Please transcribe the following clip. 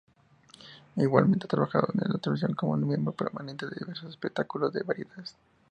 Igualmente ha trabajado en la televisión como miembro permanente de diversos espectáculos de variedades.